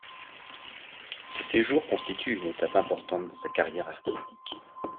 Ce séjour constitue une étape importante dans sa carrière artistique.